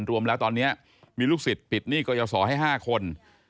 รวมแล้วตอนนี้มีลูกศิษย์ปิดหนี้กรยาศรให้๕คน